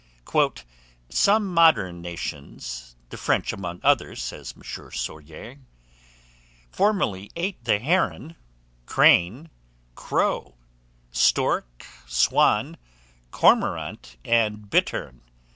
"Some modern nations, the French among others," says Monsieur Soyer, "formerly ate the heron, crane, crow, stork, swan, cormorant, and bittern.